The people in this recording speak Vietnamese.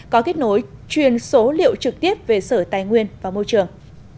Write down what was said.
có kết nối truyền số liệu trực tiếp về sở tài nguyên và môi trường